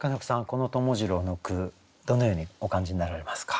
この友次郎の句どのようにお感じになられますか？